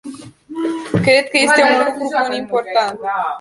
Cred că este un lucru bun, important.